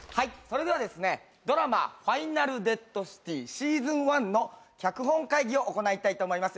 それではドラマ『ＦＩＮＡＬＤＥＡＤＣＩＴＹ』シーズン１の脚本会議を行いたいと思います。